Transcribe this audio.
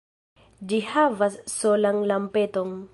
Ĝi havas solan lampeton.